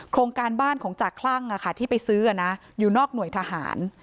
โครงการบ้านของจากคลั่งอ่ะค่ะที่ไปซื้ออ่ะน่ะอยู่นอกหน่วยทหาร